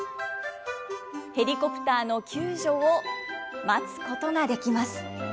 ヘリコプターの救助を待つことができます。